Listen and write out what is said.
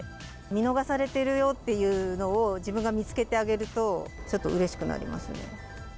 見逃されてるよっていうのを自分が見つけてあげると、ちょっとう